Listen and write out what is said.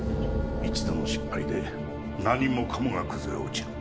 一度の失敗で何もかもが崩れ落ちる。